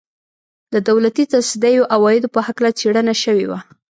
د دولتي تصدیو عوایدو په هکله څېړنه شوې وه.